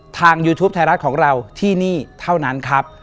ยูทูปไทยรัฐของเราที่นี่เท่านั้นครับ